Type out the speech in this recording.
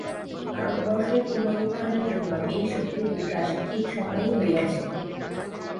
ভারতবর্ষের পুনরুত্থানের জন্য এই শক্তির বিকাশ ঠিক সময়েই হইয়াছে।